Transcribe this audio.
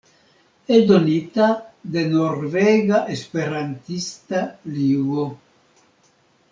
Eldonita de Norvega Esperantista Ligo.